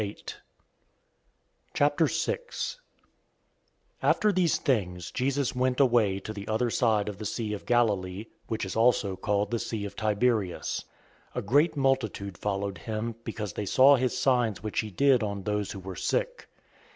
006:001 After these things, Jesus went away to the other side of the sea of Galilee, which is also called the Sea of Tiberias. 006:002 A great multitude followed him, because they saw his signs which he did on those who were sick.